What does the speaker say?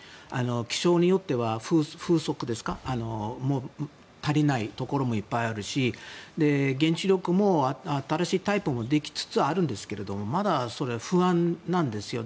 気象によっては風速ですか足りないところもいっぱいあるし原子力も新しいタイプもできつつあるんですけれどもまだ不安なんですよ。